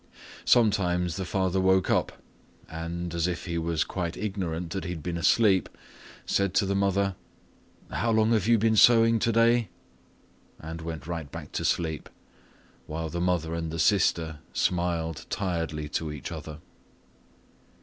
Sometimes the father woke up and, as if he was quite ignorant that he had been asleep, said to the mother "How long you have been sewing today?" and went right back to sleep, while the mother and the sister smiled tiredly to each other.